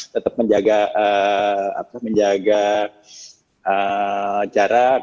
tetap menjaga jarak